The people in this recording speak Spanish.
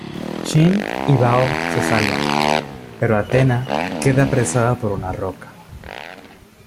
Chin y Bao se salvan, pero Athena queda apresada por una roca.